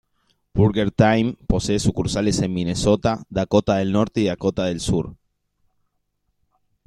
Burger Time posee sucursales en Minnesota, Dakota del Norte, y Dakota del Sur.